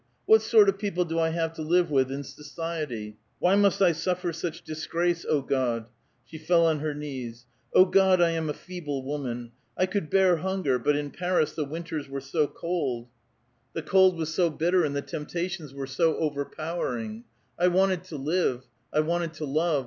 what sort of people do I have to live with in society f Why must I suffer such disgrace, O God !" She fell on her knees :*' O God, I am a feeble woman ! I could bear hunger, but in Paris the winters were so cold. The \ 26 A VITAL QUESTION. cold was so bitter, and the temptations were so overpower ing. 1 wanted to live ; 1 wanted to love.